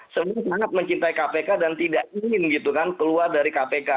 semua sangat mencintai kpk dan tidak ingin gitu kan keluar dari kpk